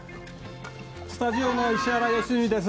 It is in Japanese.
スタジオの石原良純です。